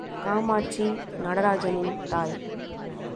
காமாட்சி நடராஜனின் தாய்.